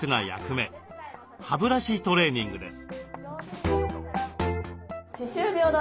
歯ブラシトレーニングです。